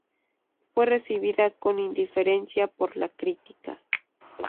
Fue recibida con indiferencia por la crítica.